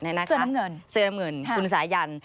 เสือน้ำเงินเสือน้ำเงินคุณสายัน